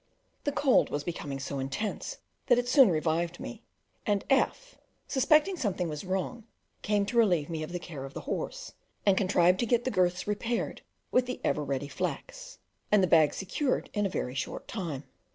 The cold was becoming so intense that it soon revived me, and F , suspecting something was wrong, came to relieve me of the care of the horse, and contrived to get the girths repaired with the ever ready flax, and the bag secured in a very short time.